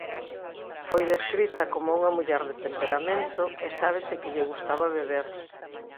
Foi descrita como unha muller de temperamento e sábese que lle gustaba beber.